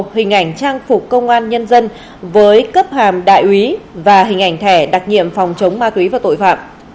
hình ảnh trang phục công an nhân dân với cấp hàm đại úy và hình ảnh thẻ đặc nhiệm phòng chống ma túy và tội phạm